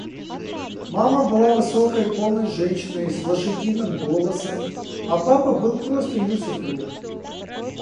Мама была высокой, полной женщиной с лошадиным голосом, а папа был просто её супруг.